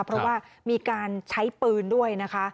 เพราะว่ามีการใช้ปืนด้วยนะคะ